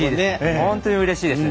本当にうれしいです。